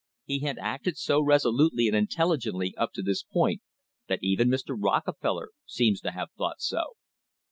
He had acted so resolutely and intelligently up to this point that even Mr. Rockefeller seems to have thought so.